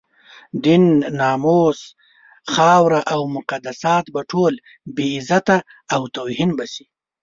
دين، ناموس، خاوره او مقدسات به ټول بې عزته او توهین به شي.